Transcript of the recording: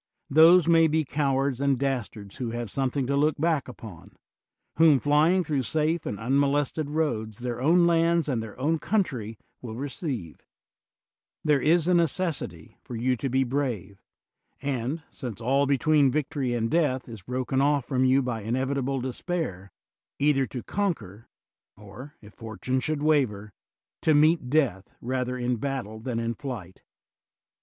Those may be cowards and dastards who have something to look back upon; whom, flying through safe and unmolested roads, their own lands and their own country will re ceive: there is a necessity for you to be brave, and, since all between victory and death is broken off from you by inevitable despair, either to conquer, or, if fortune should waver, to meet death rather in battle than in flight.